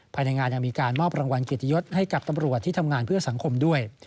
ภายในงานยังมีการมอบรางวัลเกียรติยศให้กับตำรวจที่ทำงานเพื่อสังคมด้วย